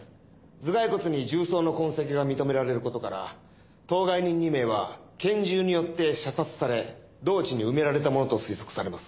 頭蓋骨に銃創の痕跡が認められることから当該人２名は拳銃によって射殺され同地に埋められたものと推測されます。